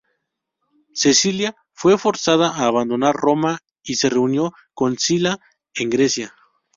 Cecilia fue forzada a abandonar Roma y se reunió con Sila en Grecia.